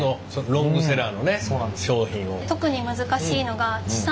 ロングセラーのね商品を。